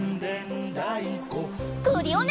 クリオネ！